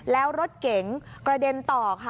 แล้วรถเก๋งกระเด็นต่อค่ะ